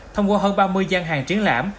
thông qua hơn ba mươi gian hàng triển lãm